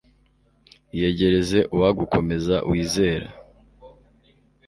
iyegereze uwagukomeza wizera